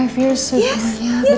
lima tahun yang lalu